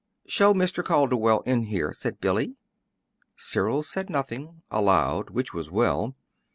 "Show Mr. Calderwell in here," said Billy. Cyril said nothing aloud; which was well.